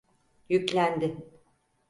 Yüklendi.